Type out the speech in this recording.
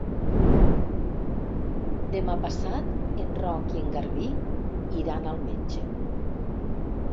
Demà passat en Roc i en Garbí iran al metge.